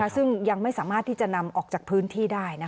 ซึ่งยังไม่สามารถที่จะนำออกจากพื้นที่ได้